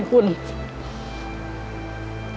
คือคุณทำมาแต่ว่าเด็กมาใช้หนี้แทนคุณ